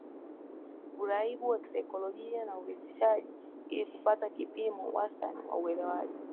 uraibu wa kisaikolojia na uridhishaji ili kupata kipimo wastani cha ulewaji